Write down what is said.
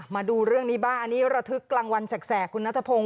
มาดูเรื่องนี้บ้างอันนี้ระทึกกลางวันแสกคุณนัทพงศ